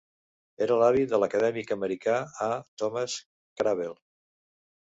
Era l'avi de l'acadèmic americà A.Thomas Kraabel.